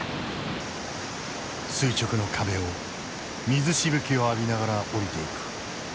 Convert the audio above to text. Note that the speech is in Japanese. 垂直の壁を水しぶきを浴びながら降りていく。